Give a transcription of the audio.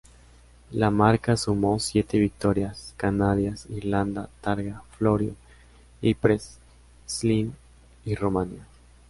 La marca sumó siete victorias: Canarias, Irlanda, Targa Florio, Ypres, Zlín y Rumania.